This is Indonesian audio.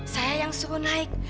saya yang suruh naik